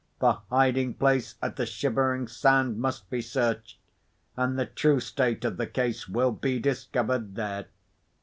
The hiding place at the Shivering Sand must be searched—and the true state of the case will be discovered there."